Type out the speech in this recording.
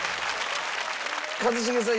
一茂さん